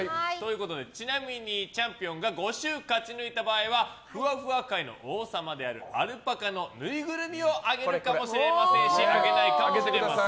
ちなみにチャンピオンが５勝勝ち抜いた場合はふわふわ界の王様であるアルパカのぬいぐるみをあげるかもしれませんしあげないかもしれません！